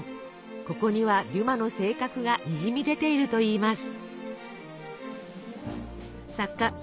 ここにはデュマの性格がにじみ出ているといいます。